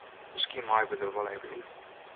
Miskien meie we der wol even yn.